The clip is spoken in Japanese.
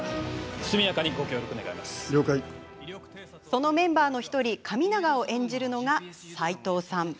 そのメンバーの１人神永を演じるのが斎藤さん。